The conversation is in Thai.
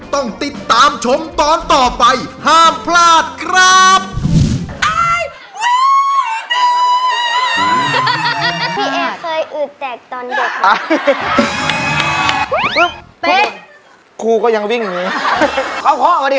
เข้ามาดีเข้า